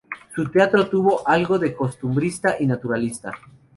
Su teatro tuvo algo de costumbrista y naturalista.